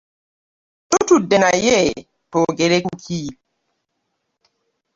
Tutudde naye twogere ku ki?